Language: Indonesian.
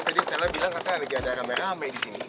tadi stella bilang katanya lagi ada rame rame di sini